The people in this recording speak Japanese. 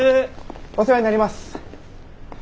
お世話になります。